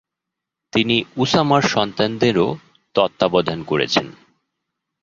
তিনি উসামার সন্তানদেরও তত্ত্বাবধান করেছেন।